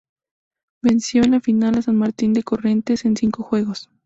Venció en la final a San Martín de Corrientes en cinco juegos.